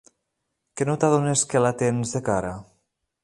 Que no t'adones que la tens de cara?